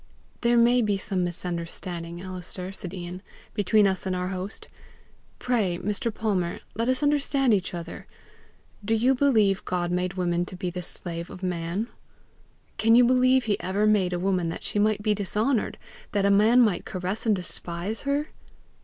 "There may be some misunderstanding, Alister," said Ian, "between us and our host! Pray, Mr. Palmer, let us understand each other: do you believe God made woman to be the slave of man? Can you believe he ever made a woman that she might be dishonoured? that a man might caress and despise her?"